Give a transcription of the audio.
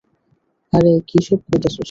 আরে কীসব কইতাছোস?